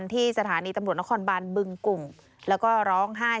ที่สถานีตำรวจนครบานบึงกลุ่มแล้วก็ร้องไห้